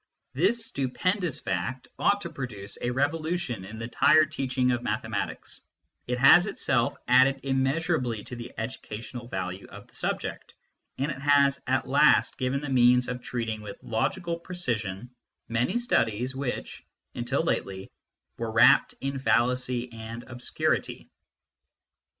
This stupendous fact ought to produce a revolution in the higher teaching of mathematics ; it has itself added immeasurably to the educational value of the subject, and it has at last given the means of treating with logical precision many studies which, until lately, were wrapped in fallacy and obscurity.